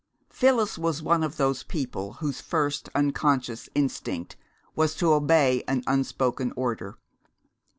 Phyllis was one of those people whose first unconscious instinct is to obey an unspoken order.